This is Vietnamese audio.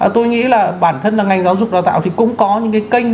tôi nghĩ là bản thân là ngành giáo dục đào tạo thì cũng có những cái kênh